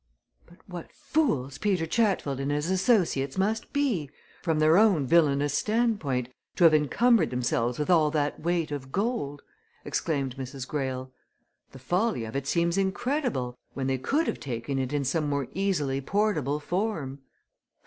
"But what fools Peter Chatfield and his associates must be from their own villainous standpoint to have encumbered themselves with all that weight of gold!" exclaimed Mrs. Greyle. "The folly of it seems incredible when they could have taken it in some more easily portable form!"